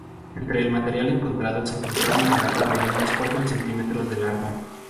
Entre el material encontrado se encontraba una garra de unos cuatro centímetros de largo.